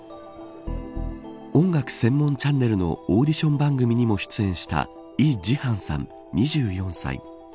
音楽専門チャンネルのオーディション番組にも出演したイ・ジハンさん、２４歳。